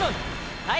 はい！